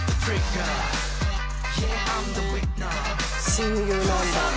親友なんだ。